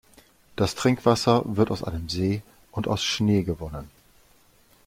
Das Trinkwasser wird aus einem See und aus Schnee gewonnen.